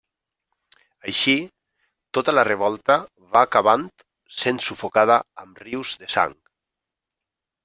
Així, tota la revolta va acabant sent sufocada amb rius de sang.